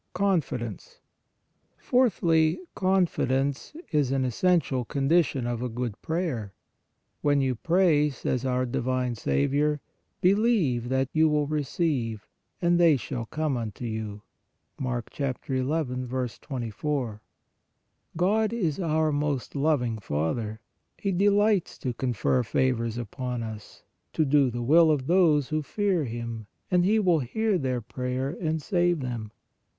CONFIDENCE. Fourthly, confidence is an es sential condition of a good prayer. When you pray, says our divine Saviour, " believe that you will receive, and they shall come unto you" (Mark ii. 24). God is our most loving Father; He de lights to confer favors upon us, " to do the will of those who fear Him, and He will hear their prayer, and save them" (Ps.